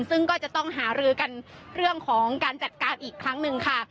ซึ่งก็จะต้องหารือกันเรื่องของการจัดการอีกครั้งหนึ่งค่ะ